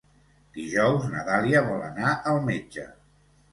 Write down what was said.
Dijous na Dàlia vol anar al metge.